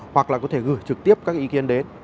hoặc là có thể gửi trực tiếp các ý kiến đến